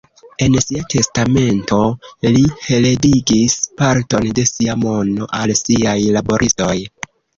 En sia testamento li heredigis parton de sia mono al siaj laboristoj.